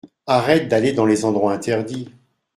Arrête d’aller dans les endroits interdits.